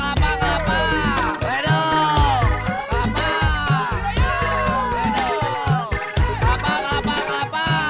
kelapa kelapa kelapa